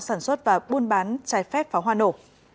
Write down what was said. sản xuất và buôn bán trái phép pháo hoa nổ